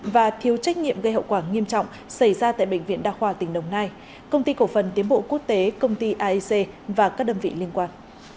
và thiếu trách nhiệm gây hậu quả nghiêm trọng xảy ra tại bệnh viện đa khoa tỉnh đồng nai công ty cổ phần tiến bộ quốc tế công ty aic và các đơn vị liên quan